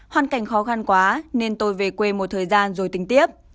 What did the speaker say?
hoàn cảnh khó khăn quá nên tôi về quê một thời gian rồi tình tiếp